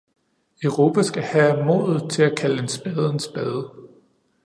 Europa skal have modet til at kalde en spade en spade.